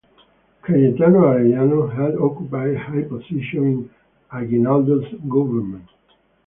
Cayetano Arellano had occupied a high position in Aguinaldo's government.